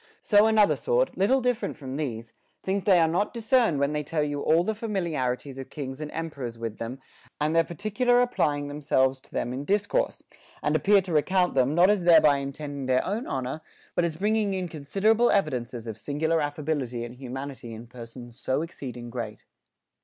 So another sort, little different from these, think they are not discerned when they tell you all the familiarities of kings and em perors with them and their particular applying themselves WITHOUT BEING ENVIED. 323 to them in discourse, and appear to recount them, not as thereby intending their own honor, but as bringing in con siderable e\udences of singular affability and humanity in persons so exceeding great.